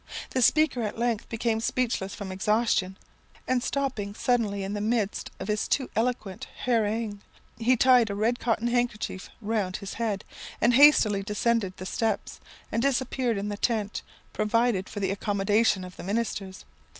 The speaker at length became speechless from exhaustion, and stopping suddenly in the midst of his too eloquent harangue, he tied a red cotton handkerchief round his head, and hastily descended the steps, and disappeared in the tent provided for the accommodation of the ministers.